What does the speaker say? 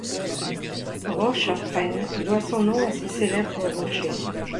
Roche-à-Frêne doit son nom à ses célèbres rochers.